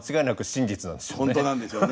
ほんとなんでしょうね